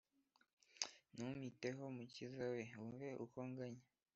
Ntumpiteho mukiza we wumve uko nganya